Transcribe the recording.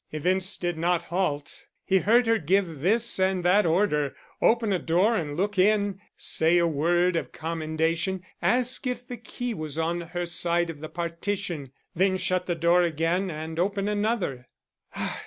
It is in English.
Events did not halt. He heard her give this and that order, open a door and look in; say a word of commendation, ask if the key was on her side of the partition, then shut the door again and open another.